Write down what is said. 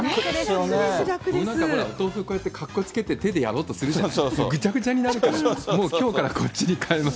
こうやってかっこつけて手でやろうとするじゃない、もう、ぐちゃぐちゃになるから、もうきょうからこっちに変えます。